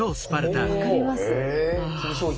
分かります？